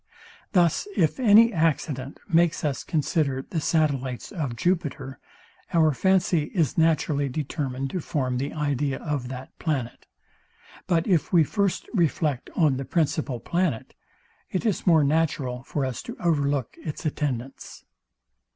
Thus if any accident makes us consider the Satellites of JUPITER, our fancy is naturally determined to form the idea of that planet; but if we first reflect on the principal planet, it is more natural for us to overlook its attendants.